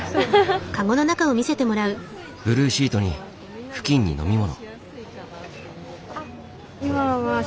ブルーシートに布巾に飲み物。